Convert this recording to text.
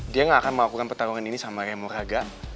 dia gak akan mengakukan pertarungan ini sama ray muraga